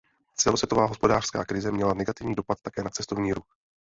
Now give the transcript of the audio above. Celosvětová hospodářská krize měla negativní dopad také na cestovní ruch.